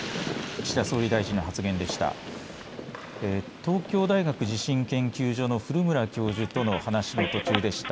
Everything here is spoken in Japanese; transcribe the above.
岸田総理大臣の発言でした。